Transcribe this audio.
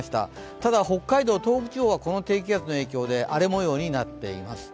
ただ、北海道、東北地方はこの低気圧の影響で荒れ模様になっています。